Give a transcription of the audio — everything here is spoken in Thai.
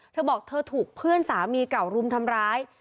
เธอบอกเธอถูกเพื่อนสามีเก่ารุมทำร้าย